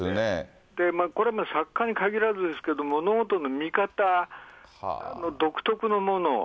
これも作家に限らずですけど、ノートの見方、独特なものを。